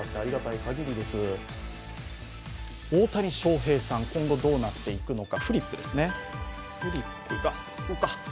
大谷翔平さん、今後どうなっていくのか。